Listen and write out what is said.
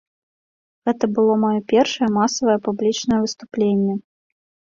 Гэта было маё першае масавае публічнае выступленне.